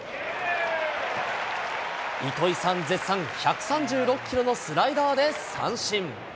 糸井さん絶賛、１３６キロのスライダーで三振。